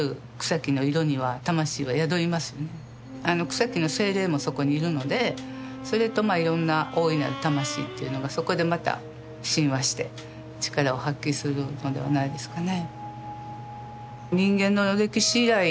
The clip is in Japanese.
草木の精霊もそこにいるのでそれといろんな大いなる魂というのがそこでまた親和して力を発揮するのではないですかね。